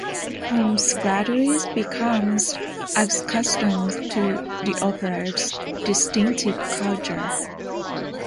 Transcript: Holmes gradually becomes accustomed to the Opera's distinctive culture.